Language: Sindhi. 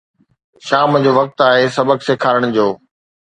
شام جو وقت آهي سبق سيکارڻ جو